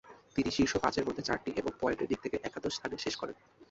তিনি শীর্ষ পাঁচের মধ্যে চারটি এবং পয়েন্টের দিক থেকে একাদশ স্থানে শেষ করেন।